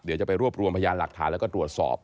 เดี๋ยวจะไปรวบรวมพยานหลักฐานแล้วก็ตรวจสอบ